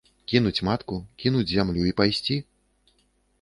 Кінуць матку, кінуць зямлю і пайсці?!